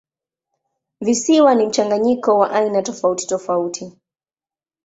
Visiwa ni mchanganyiko wa aina tofautitofauti.